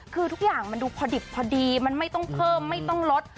คือทุกอย่างมันดูพอดิบพอดีมันไม่ต้องเพิ่มไม่ต้องลด